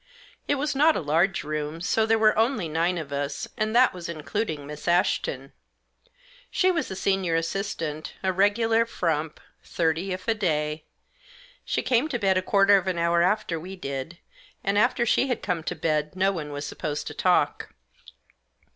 It was not a large room, so there were only nine of us, and that was including Miss Ashton. She was the senior assistant, a regular frump, thirty if a day. She came to bed a quarter of an hour after we did, and after she had come to bed no one was supposed to talk.